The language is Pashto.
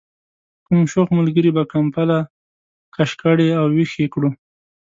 کوم شوخ ملګري به کمپله کش کړې او ویښ یې کړو.